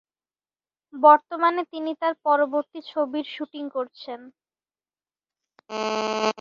বর্তমানে তিনি তার পরবর্তী ছবির শুটিং করছেন।